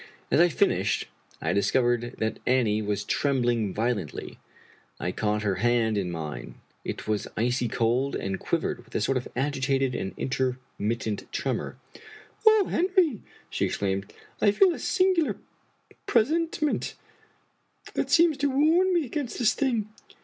As I finished, I discovered that Annie was trembling violently. I caught her hand in mine. It was icy cold, and quivered with a sort of agitated and intermittent tremor. " O Henry !" she exclaimed, " I feel a singular pre sentiment that seems to warn me against this thing.